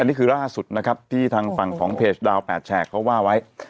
นี่คือล่าสุดนะครับที่ทางฝั่งของเพจดาว๘แฉกเขาว่าไว้